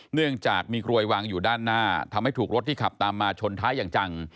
เนื่องจากมีกลวยวางอยู่ด้านหน้าทำให้ถูกรถที่ขับตามมาชนท้ายอย่างจัง